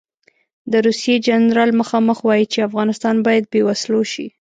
د روسیې جنرال مخامخ وایي چې افغانستان باید بې وسلو شي.